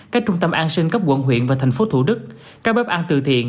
các trung tâm an sinh cấp quận huyện và thành phố thủ đức các bếp ăn tự thiện